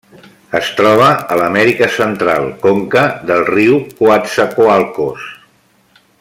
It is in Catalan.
Es troba a l'Amèrica Central: conca del riu Coatzacoalcos.